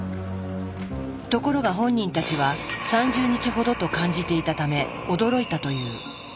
ところが本人たちは３０日ほどと感じていたため驚いたという。